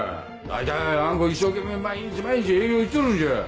大体あん子一生懸命毎日毎日営業行っちょるんじゃ！